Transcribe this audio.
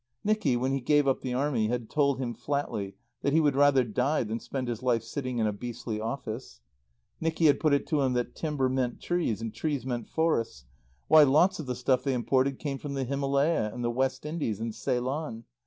Nicky, when he gave up the Army, had told him flatly that he would rather die than spend his life sitting in a beastly office. Nicky had put it to him that timber meant trees, and trees meant forests; why, lots of the stuff they imported came from the Himalaya and the West Indies and Ceylon.